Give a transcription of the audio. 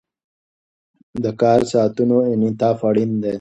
د کار ساعتونو انعطاف اړین دی.